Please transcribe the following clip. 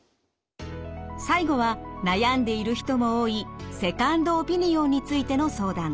最後は悩んでいる人も多いセカンドオピニオンについての相談。